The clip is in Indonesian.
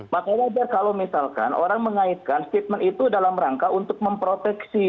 maka wajar kalau misalkan orang mengaitkan statement itu dalam rangka untuk memproteksi